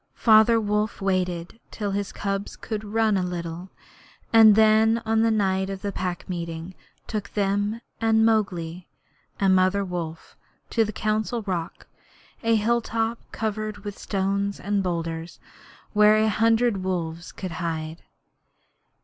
Father Wolf waited till his cubs could run a little, and then on the night of the Pack Meeting took them and Mowgli and Mother Wolf to the Council Rock a hilltop covered with stones and boulders where a hundred wolves could hide.